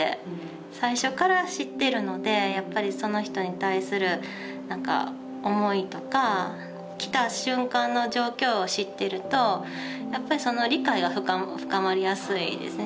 最初から知ってるのでやっぱりその人に対する思いとか来た瞬間の状況を知っているとやっぱり理解が深まりやすいですよね。